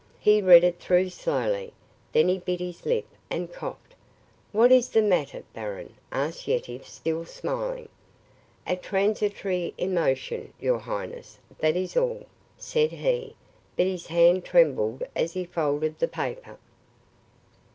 He read it through slowly. Then he bit his lip and coughed. "What is the matter, baron?" asked Yetive, still smiling. "A transitory emotion, your highness, that is all," said he; but his hand trembled as he folded the paper.